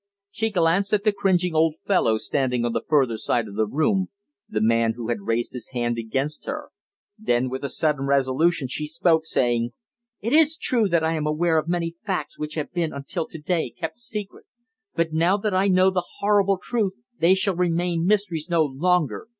She glanced at the cringing old fellow standing on the further side of the room the man who had raised his hand against her. Then, with a sudden resolution, she spoke, saying: "It is true that I am aware of many facts which have been until to day kept secret. But now that I know the horrible truth they shall remain mysteries no longer.